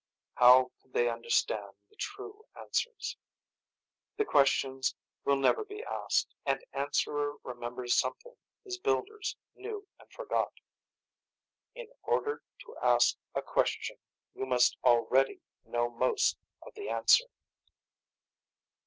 How could they understand the true answers? The questions will never be asked, and Answerer remembers something his builders knew and forgot. In order to ask a question you must already know most of the answer.